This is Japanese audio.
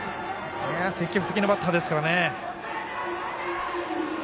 積極的なバッターですからね。